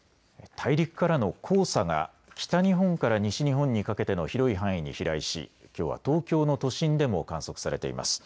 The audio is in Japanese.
大陸からの黄砂が北日本から西日本にかけての広い範囲に飛来し、きょうは東京の都心でも観測されています。